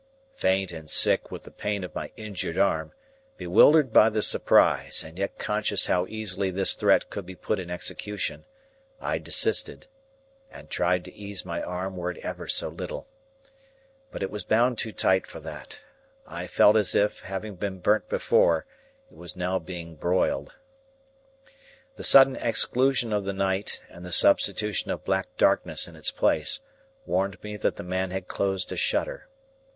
Faint and sick with the pain of my injured arm, bewildered by the surprise, and yet conscious how easily this threat could be put in execution, I desisted, and tried to ease my arm were it ever so little. But, it was bound too tight for that. I felt as if, having been burnt before, it were now being boiled. The sudden exclusion of the night, and the substitution of black darkness in its place, warned me that the man had closed a shutter.